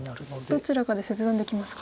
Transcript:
どちらかで切断できますか。